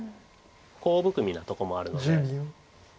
コウ含みなとこもあるので。